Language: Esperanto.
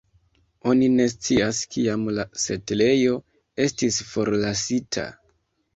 Oni ne scias kiam la setlejo estis forlasita.